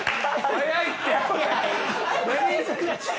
早いって。